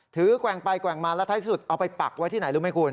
แกว่งไปแกว่งมาแล้วท้ายที่สุดเอาไปปักไว้ที่ไหนรู้ไหมคุณ